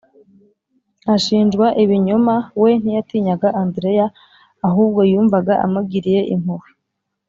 Ashinjwa ibinyoma we ntiyatinyaga andrea ahubwo yumvaga amugiriye impuhwe